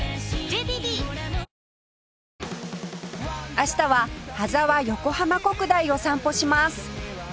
明日は羽沢横浜国大を散歩します